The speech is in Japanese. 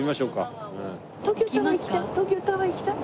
東京タワー行きたい！